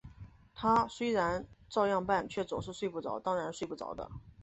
他虽然照样办，却总是睡不着，当然睡不着的